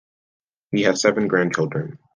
He has seven grandchildren.